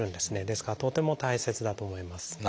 ですからとても大切だと思います。